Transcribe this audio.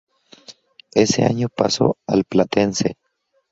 Ese año pasó al Platense.